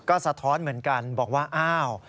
ก็สะท้อนเหมือนกันบอกว่าอ้าว